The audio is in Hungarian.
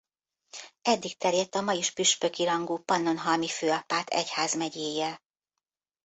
Eddig terjedt a ma is püspöki rangú pannonhalmi főapát egyházmegyéje.